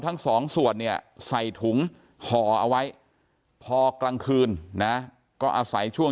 ทั้งสองส่วนเนี่ยใส่ถุงห่อเอาไว้พอกลางคืนนะก็อาศัยช่วง